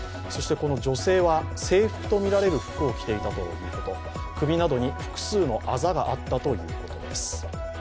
女性は制服とみられる服を着ていたということ首などに複数のあざがあったということです。